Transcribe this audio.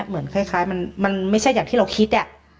เหมือนคล้ายมันไม่ใช่อย่างที่เราคิด